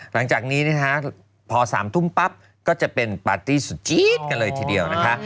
หลังจากนี้นะคะพอ๓ทุ่มปั๊บก็จะเป็นปาร์ตี้สุดจี๊ดกันเลยทีเดียวนะคะ